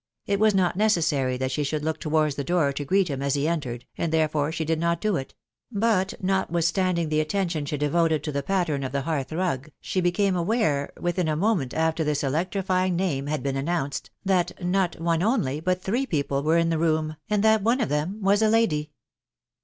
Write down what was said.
It was not necessary that she should look towards the door to greet him as he entered, and therefore she did not do it ; but, notwithstanding the attention she devoted to the pattern of die hearth rug, she became aware, within a moment after this electrifying name had been announced, that not one only, but three people were in the room, and that one of them was a lady.